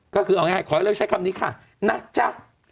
ก็คือเอาง่ายขอให้เลิกใช้คำนี้ค่ะนะจ๊ะ